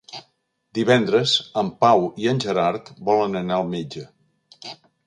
Divendres en Pau i en Gerard volen anar al metge.